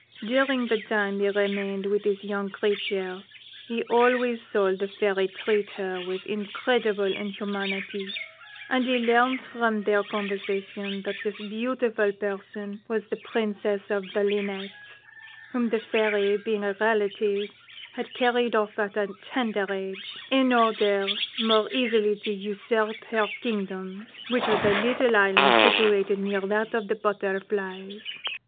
"During the time he remained with this young creature he always saw the Fairy treat her with incredible inhumanity, and he learnt from their conversation that this beautiful person was the Princess of the Linnets, whom the Fairy, being a relative, had carried off at a tender age, in order more easily to usurp her kingdom, which was a little island situated near to that of the Butterflies.